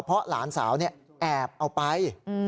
เพราะหลานสาวแอบเอาไป